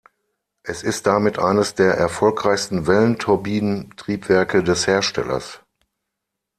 Es ist damit eines der erfolgreichsten Wellenturbinen-Triebwerke des Herstellers.